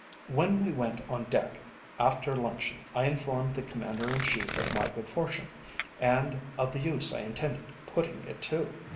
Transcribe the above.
When we went on deck after luncheon, I informed the Commander in Chief of my good fortune, and of the use I intended putting it to.